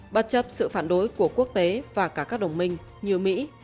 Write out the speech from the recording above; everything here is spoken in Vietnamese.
bất chấp sự phản đối của quốc tế và cả các đồng minh như mỹ